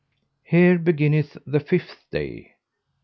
Here beginneth the fifth day.